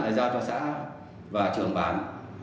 là giao cho xã và trưởng bản